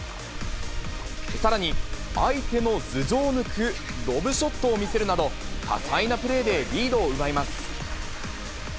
さらに、相手の頭上を抜くロブショットを見せるなど、多彩なプレーでリードを奪います。